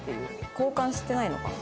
交換してないのかな？